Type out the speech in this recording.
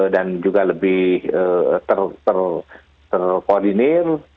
dan juga lebih terkoordinir